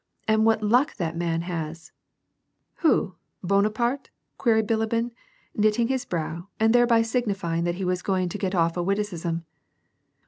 "And what luck that man has !"" Who ? Buonaparte ?" queried Bilibin, knitting his brow, and thereby signifying that he was going to get off a witti cism.